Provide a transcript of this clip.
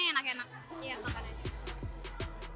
iya makanannya enak